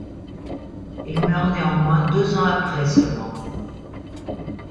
Il meurt néanmoins deux ans après seulement.